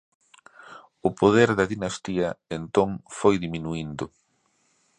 O poder da dinastía entón foi diminuíndo.